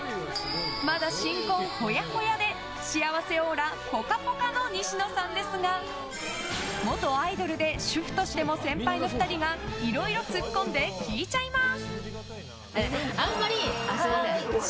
まだ新婚ほやほやで幸せオーラぽかぽかの西野さんですが元アイドルで主婦としても先輩の２人がいろいろ突っ込んで聞いちゃいます！